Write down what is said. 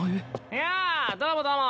いやどうもどうも。